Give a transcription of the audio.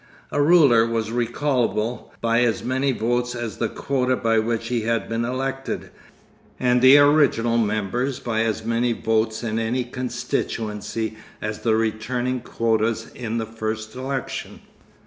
A ruler was recallable by as many votes as the quota by which he had been elected, and the original members by as many votes in any constituency as the returning quotas in the first election.